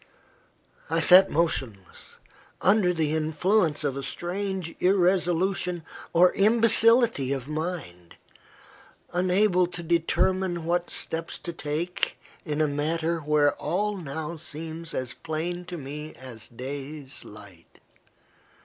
I sat motionless, under the influence of a strange irresolution or imbecility of mind, unable to determine what steps to take in a matter where all now seems as plain to me as days light.